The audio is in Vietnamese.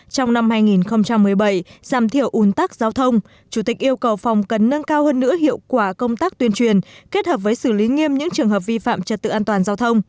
trong năm hai nghìn một mươi bảy giảm thiểu un tắc giao thông chủ tịch yêu cầu phòng cần nâng cao hơn nữa hiệu quả công tác tuyên truyền kết hợp với xử lý nghiêm những trường hợp vi phạm trật tự an toàn giao thông